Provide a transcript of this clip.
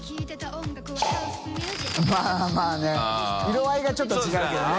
泙，泙ね色合いがちょっと違うけどね。